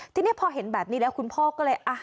ทีนี้พอเห็นแบบนี้แล้วคุณพ่อก็เลย